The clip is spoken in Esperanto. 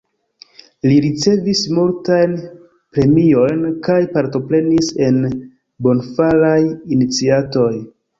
Li ricevis multajn premiojn kaj partoprenis en bonfaraj iniciatoj.